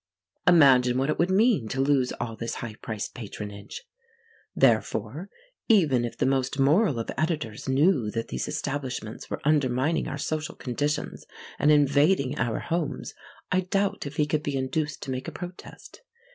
Imagine what it would mean to lose all this high priced patronage. Therefore, even if the most moral of editors knew that these establishments were undermining our social conditions and invading our homes, I doubt if he could be induced to make a protest.